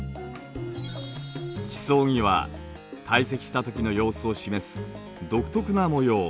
地層には堆積した時の様子を示す独特な模様